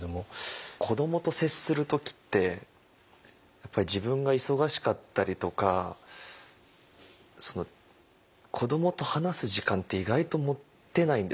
子どもと接する時ってやっぱり自分が忙しかったりとか子どもと話す時間って意外と持てないんです私。